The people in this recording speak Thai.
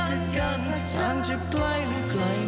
ใจจะเที่ยวเท่าเท่า